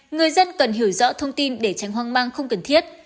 người dân cần hiểu rõ thông tin để tránh hoang mang không cần thiết